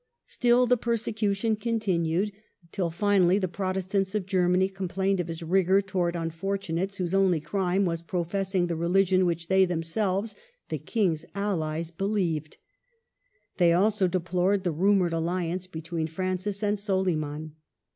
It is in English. Still the persecution continued, till finally the Protestants of Germany complained of his rigor towards unfortunates whose only crime was professing the religion which they themselves, the King's allies, be lieved. They also deplored the rumored alliance between Francis and Soliman.